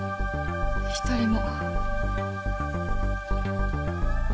一人も